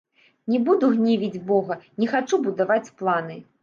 Не буду гневіць бога, не хачу будаваць планы.